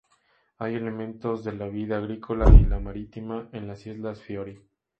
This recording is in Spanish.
Hay elementos de la vida agrícola y la marítima en las Islas Feroe.